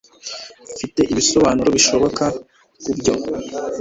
Mfite ibisobanuro bishoboka kubyo.